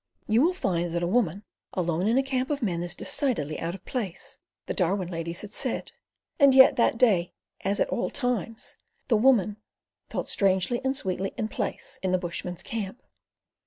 "You will find that a woman alone in a camp of men is decidedly out of place," the Darwin ladies had said; and yet that day, as at all times, the woman felt strangely and sweetly in place in the bushmen's camp.